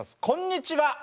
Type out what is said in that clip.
こんにちは。